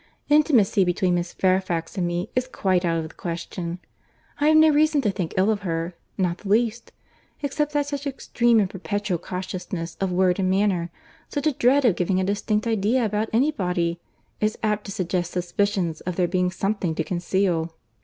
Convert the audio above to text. Intimacy between Miss Fairfax and me is quite out of the question. I have no reason to think ill of her—not the least—except that such extreme and perpetual cautiousness of word and manner, such a dread of giving a distinct idea about any body, is apt to suggest suspicions of there being something to conceal."